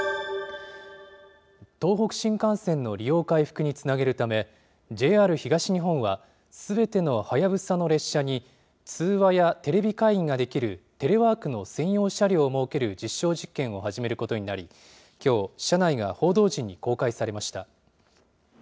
東北新幹線の利用回復につなげるため、ＪＲ東日本はすべてのはやぶさの列車に、通話やテレビ会議ができる、テレワークの専用車両を設ける実証実験を始めることになり、きょう、車内が報道陣に公開されました。